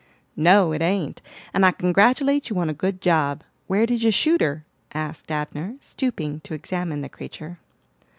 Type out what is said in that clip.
"No it ain't, and I congratulate you on a good job. Where did you shoot her?" asked Abner, stooping to examine the creature.